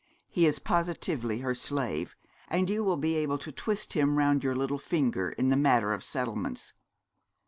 He is positively her slave; and you will be able to twist him round your little finger in the matter of settlements.